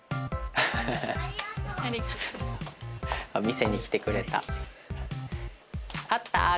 見せに来てくれた。